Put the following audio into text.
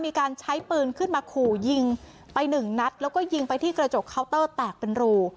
มีการใช้ปืนขึ้นมาขู่ยิงไปหนึ่งนัดแล้วก็ยิงไปที่กระจกเคาน์เตอร์แตกเป็นรู